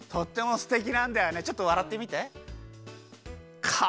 ちょっとわらってみて。